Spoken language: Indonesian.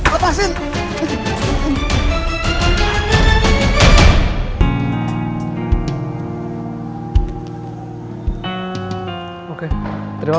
masukin ke mobil